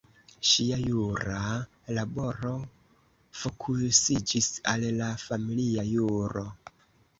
Ŝia jura laboro fokusiĝis al la familia juro.